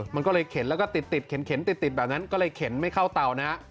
มันก็เลยเข็นแล้วก็ติดเข็นติดแบบนั้นก็เลยเข็นไม่เข้าเตานะฮะ